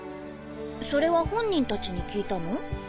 それは本人たちに聞いたの？